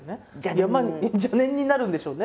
いやまあ邪念になるんでしょうね。